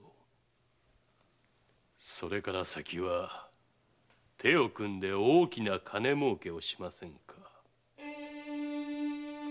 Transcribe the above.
それから先は手を組んで大きな金儲けをしませんか？